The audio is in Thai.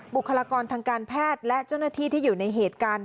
บุคลากรทางการแพทย์และเจ้าหน้าที่ที่อยู่ในเหตุการณ์